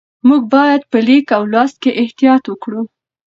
موږ باید په لیک او لوست کې احتیاط وکړو